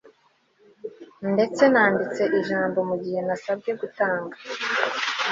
Ndetse nanditse ijambo mugihe nasabwe gutanga